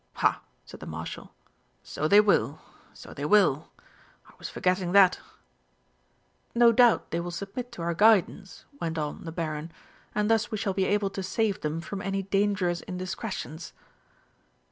"Ha!" said the Marshal. "So they will so they will! I was forgetting that!" "No doubt they will submit to our guidance," went on the Baron, "and thus we shall be able to save them from any dangerous indiscretions."